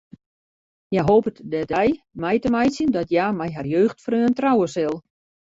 Hja hopet de dei mei te meitsjen dat hja mei har jeugdfreon trouwe sil.